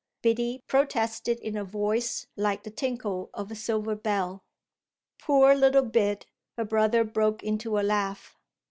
Biddy protested in a voice like the tinkle of a silver bell. "Poor little Bid!" her brother broke into a laugh.